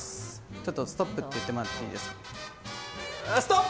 ちょっとストップって言ってもらっていいですか。